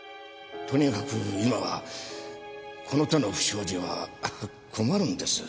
とにかく今はこの手の不祥事は困るんです。